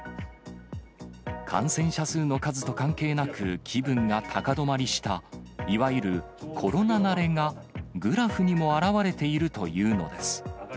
感染者数の数と関係なく、気分が高止まりした、いわゆるコロナ慣れがグラフにも表れているというのです。